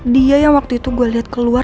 dia yang waktu itu gue lihat keluar